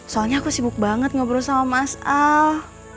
soalnya aku sibuk banget ngobrol sama mas al